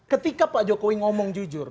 ketika pak jokowi ngomong jujur